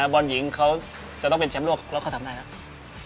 บอลหญิงเขาจะต้องเป็นแชมป์โลกแล้วเขาทำได้ครับ